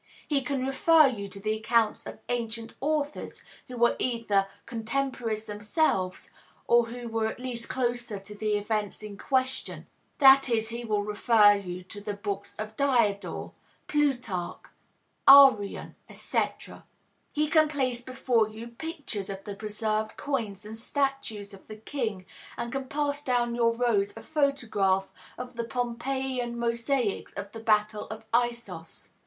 He can refer you to the accounts of ancient authors, who were either contemporaries themselves, or who were at least closer to the events in question; that is, he will refer you to the books of Diodor, Plutarch, Arrian, etc. He can place before you pictures of the preserved coins and statues of the king and can pass down your rows a photograph of the Pompeiian mosaics of the battle of Issos.